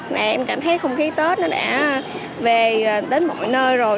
mà em cảm thấy không khí tết nó đã về đến mọi nơi rồi